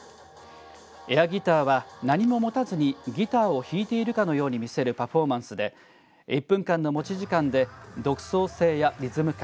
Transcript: エアギターは何も持たずにギターを弾いているかのように見せるパフォーマンスで１分間の持ち時間で独創性やリズム感